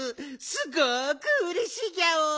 すごくうれしいギャオ。